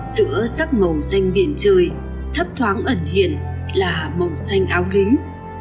giữa sắc màu xanh biển trời thấp thoáng ẩn hiển là màu xanh áo hính